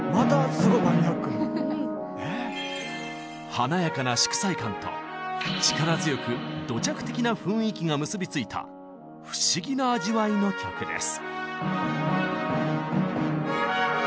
華やかな祝祭感と力強く土着的な雰囲気が結び付いた不思議な味わいの曲です。